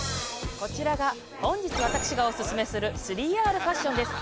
こちらが本日私がオススメする３Ｒファッションです。